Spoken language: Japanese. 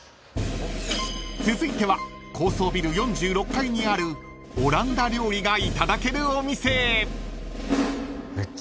［続いては高層ビル４６階にあるオランダ料理がいただけるお店へ］